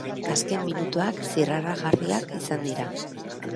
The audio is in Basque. Azken minutuak zirraragarriak izan dira.